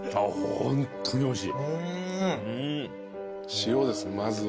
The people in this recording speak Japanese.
ホントにおいしい。